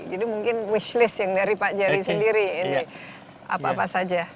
mungkin wish list yang dari pak jerry sendiri ini apa apa saja